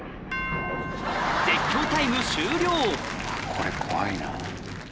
これ怖いな。